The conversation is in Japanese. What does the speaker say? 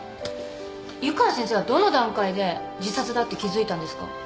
湯川先生はどの段階で自殺だって気づいたんですか？